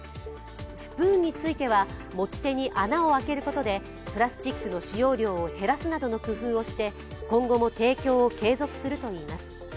スプーンについては持ち手に穴を開けることでプラスチックの使用量を減らすなどの工夫をして今後も提供を継続するといいます。